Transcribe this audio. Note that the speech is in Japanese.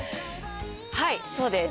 はい、そうです。